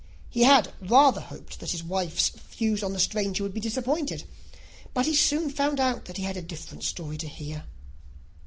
He had rather hoped that all his wife's views on the stranger would be disappointed; but he soon found that he had a very different story to hear.